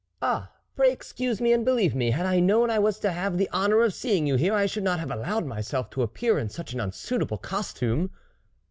" Ah ! pray excuse me, and believe me, had I known I was to have the honour of seeing you here, I should not have allowed myself to appear in such an unsuitable costume."